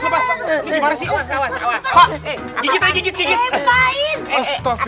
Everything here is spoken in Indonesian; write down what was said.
pak nardi pak nardi gak apa apa